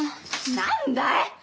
何だい！？